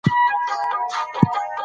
ځانبسیاینه د هر ملت هیله وي.